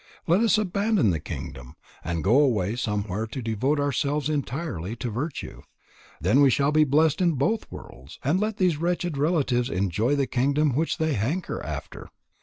Let us abandon the kingdom, and go away somewhere to devote ourselves entirely to virtue. Then we shall be blessed in both worlds. And let these wretched relatives enjoy the kingdom which they hanker after."